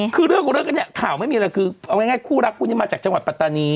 คือเรื่องของเรื่องกันเนี่ยข่าวไม่มีอะไรคือเอาง่ายคู่รักคู่นี้มาจากจังหวัดปัตตานี